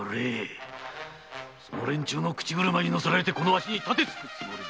その連中の口車に乗せられこのわしに盾つくつもりだ